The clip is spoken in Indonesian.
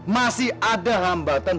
masih ada hambatan